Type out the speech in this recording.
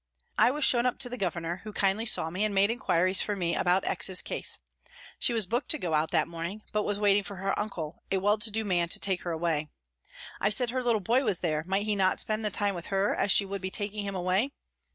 I was shown up to the Governor, who kindly saw me and made inquiries for me about X.'s case. She was booked to go out that morning, but was waiting for her uncle, a well to do man, to take her away. I said her little boy was there, might he not spend the time with her, as she would be taking him away.